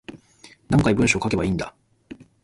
何回文章書けばいいんだ